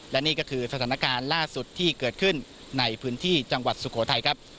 และนี่ก็คือสถานการณ์ล่าสุดที่เกิดขึ้นในพื้นที่จังหวัดสุโขทัยครับ